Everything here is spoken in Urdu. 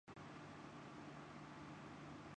خلیفہ کے حکم کے بغیر نہ وعظ کہتے تھے اور نہ فتویٰ دیتے تھے